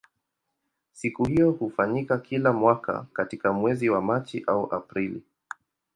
Siku hiyo hufanyika kila mwaka katika mwezi wa Machi au Aprili.